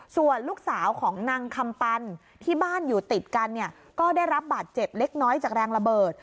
ส่วนลูกสาวของนางคำปันที่บ้านอยู่ติดกันเนี่ยก็ได้รับบาดเจ็บเล็กน้อยจากแรงระเบิด